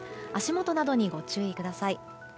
足元などに、ご注意ください。